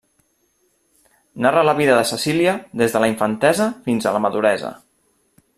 Narra la vida de Cecília des de la infantesa fins a la maduresa.